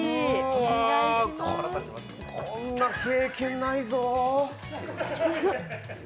こんな経験ないぞ。